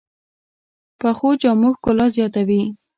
پخو جامو ښکلا زیاته وي